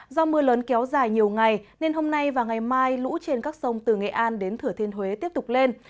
do mưa lớn kéo dài nhiều ngày nên hôm nay và ngày mai lũ trên các sông từ nghệ an đến thửa thiên huế tiếp tục lên